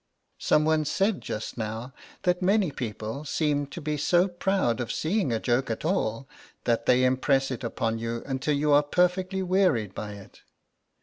Some one said just now that many people seem to be so proud of seeing a joke at all, that they impress it upon you until you are perfectly wearied by it.